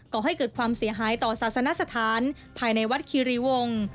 ก่อให้เกิดความเสียหายต่อศาสนสถานภายในวัดคีรีวงศ์